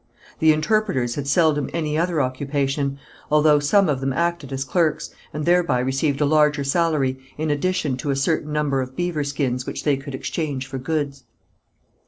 The interpreters had seldom any other occupation, although some of them acted as clerks, and thereby received a larger salary, in addition to a certain number of beaver skins which they could exchange for goods.